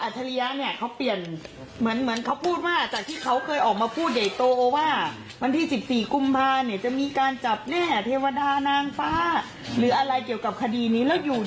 เซนโรจะให้ป้าพูดดูจะให้ลุงพูดอคุณภาษณ์เป็นสาวอาจรู้ยึ่งกลังลง